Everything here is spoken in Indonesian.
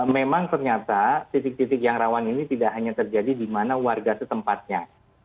memang ternyata titik titik yang rawan ini tidak hanya terjadi di mana warga setempatnya